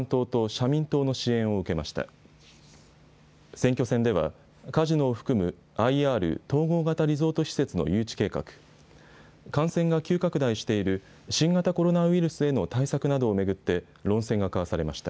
選挙戦ではカジノを含むＩＲ・統合型リゾート施設の誘致計画、感染が急拡大している新型コロナウイルスへの対策などを巡って論戦が交わされました。